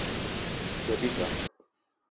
G-beu bi va.